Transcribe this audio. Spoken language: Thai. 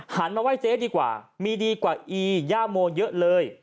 มาไห้เจ๊ดีกว่ามีดีกว่าอีย่าโมเยอะเลย